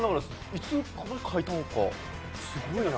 いつここに書いたのか、すごいな。